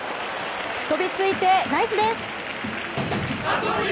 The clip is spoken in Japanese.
飛びついて、ナイスです！